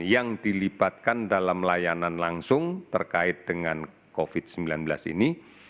yang dilibatkan dalam layanan langsung terkait dengan covid sembilan belas ini